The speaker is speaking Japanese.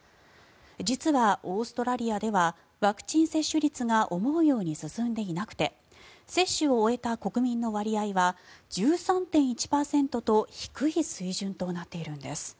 実は、オーストラリアではワクチン接種率が思うように進んでいなくて接種を終えた国民の割合は１３．１％と低い水準となっているんです。